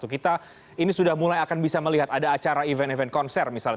kita ini sudah mulai akan bisa melihat ada acara event event konser misalnya